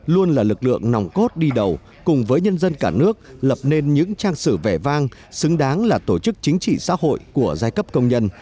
luôn là lực lượng nòng cốt đi đầu cùng với nhân dân cả nước lập nên những trang sử vẻ vang xứng đáng là tổ chức chính trị xã hội của giai cấp công nhân